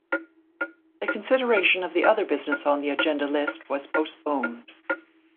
The consideration of the other business on the agenda list was postponed.